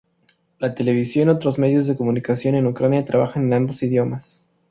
La televisión y otros medios de comunicación en Ucrania trabajan en ambos idiomas.